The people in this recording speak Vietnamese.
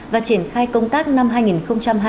và triển khai công tác năm hai nghìn hai mươi bốn